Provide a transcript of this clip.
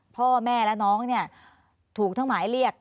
พ่อแม่และน้องเนี่ยถูกทั้งหมายเรียก